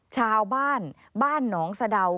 ชาวบ้านบ้านหนองสะดาว